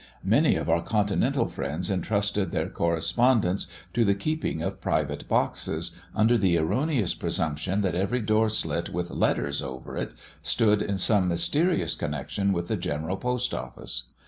Many of our continental friends entrusted their correspondence to the keeping of private boxes, under the erroneous presumption that every door slit, with "Letters" over it, stood in some mysterious connexion with the General Post Office.